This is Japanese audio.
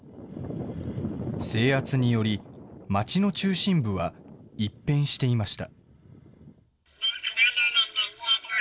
制圧により、町の中心部は一変していました。